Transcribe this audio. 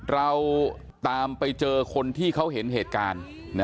เรานั้นตามเจอคนที่เขาเห็นแซศการ